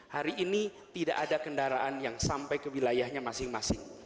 hari ini tidak ada kendaraan yang sampai ke wilayahnya masing masing